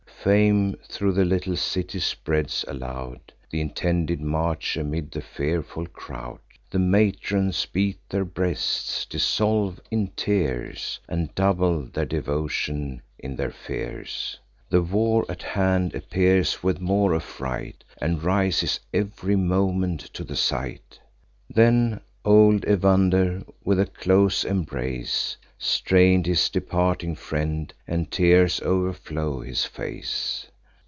Fame thro' the little city spreads aloud Th' intended march, amid the fearful crowd: The matrons beat their breasts, dissolve in tears, And double their devotion in their fears. The war at hand appears with more affright, And rises ev'ry moment to the sight. Then old Evander, with a close embrace, Strain'd his departing friend; and tears o'erflow his face.